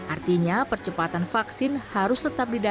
artinya percepatan vaksin harus tetap di dasar